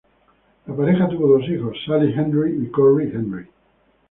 La pareja tuvo dos hijos, Sally Hendry y Corrie Hendry.